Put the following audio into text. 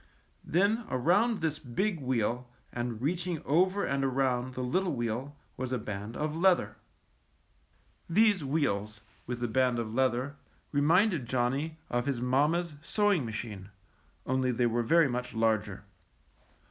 Then around this big wheel and reaching over and around the little wheel was a band of leather. These wheels, with the band of leather, re minded Johnny of his mamma's sewing ma chine, only they were very much larger.